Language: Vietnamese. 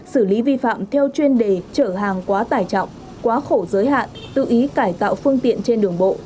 xử lý vi phạm theo chuyên đề chở hàng quá tải trọng quá khổ giới hạn tự ý cải tạo phương tiện trên đường bộ